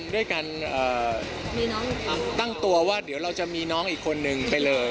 ด้วยการตั้งตัวว่าเดี๋ยวเราจะมีน้องอีกคนนึงไปเลย